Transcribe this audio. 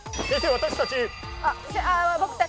私たち。